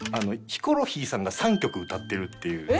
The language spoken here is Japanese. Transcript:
ヒコロヒーさんが３曲歌ってるっていう。